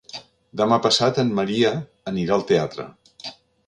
Demà passat en Maria anirà al teatre.